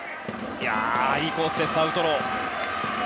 いいコースだアウトロー。